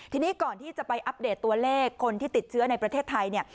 ทีนี้ก่อนที่จะไปอัปเดตตัวเลขคนที่ติดเชื้อในประเทศไทยเนี่ย